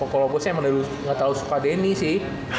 kalo gue sih emang udah gak tau suka denny sih